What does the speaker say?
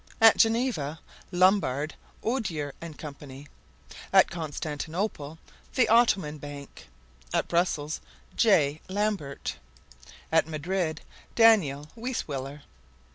At Geneva, Lombard, Odier and Co. At Constantinople, The Ottoman Bank. At Brussels, J. Lambert. At Madrid, Daniel Weisweller.